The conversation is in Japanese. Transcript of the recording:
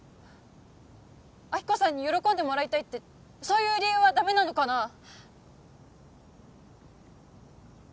亜希子さんに喜んでもらいたいってそういう理由はダメなのかな